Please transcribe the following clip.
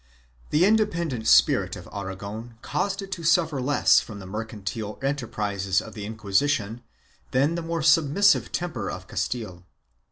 1 The independent spirit of Aragon caused it to suffer less from the mercantile enterprises of the Inquisition than the more submissive temper of Castile.